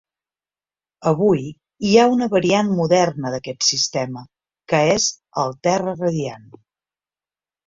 Avui hi ha una variant moderna d'aquest sistema, que és el terra radiant.